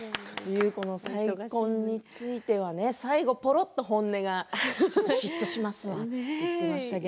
優子の再婚については最後ぽろっと本音が嫉妬しますわって言ってましたね。